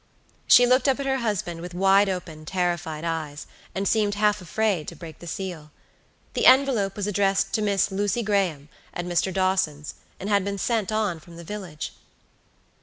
She looked up at her husband with wide open, terrified eyes, and seemed half afraid to break the seal. The envelope was addressed to Miss Lucy Graham, at Mr. Dawson's, and had been sent on from the village.